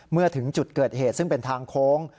เมื่อถึงจุดเกิดเหตุซึ่งเป็นทางโค้ง